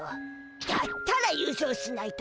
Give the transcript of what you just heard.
だったら優勝しないと。